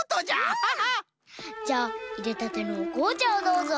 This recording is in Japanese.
じゃあいれたてのおこうちゃをどうぞ。